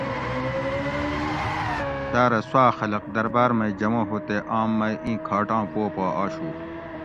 سارہ سوا خلق درباۤر مئی جمع ہو تے آم مئی ایں کھاٹاں پو پا آشو